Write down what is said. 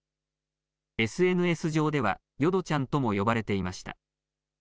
ＳＮＳ上では淀ちゃんとも呼ばれていました。